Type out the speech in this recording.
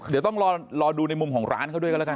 เดี๋ยวต้องรอดูในมุมของร้านเขาด้วยกันแล้วกัน